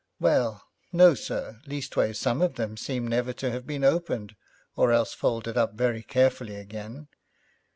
'Well, no, sir; leastways, some of them seem never to have been opened, or else folded up very carefully again.'